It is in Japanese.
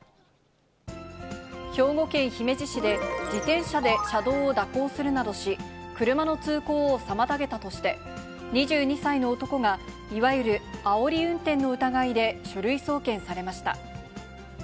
兵庫県姫路市で、自転車で車道を蛇行するなどし、車の通行を妨げたとして、２２歳の男がいわゆるあおり運転の疑いで書類送検されました。